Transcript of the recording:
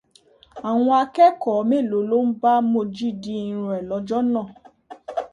Àwọn akẹ́kọ̀ọ́ mélòó ni wọ́n bá Mojí di irun ẹ̀ lọ́jọ́ yẹn